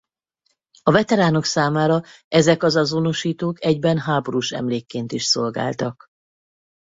A veteránok számára ezek az azonosítók egyben háborús emlékként is szolgáltak.